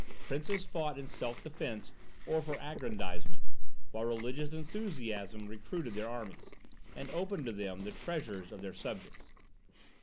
Princes fought in self defence or for aggrandizement, while religious enthusiasm recruited their armies, and opened to them the treasures of their subjects.